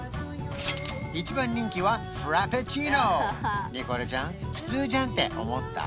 一番人気はフラペチーノニコルちゃん普通じゃんって思った？